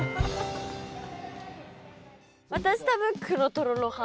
私多分黒とろろ派。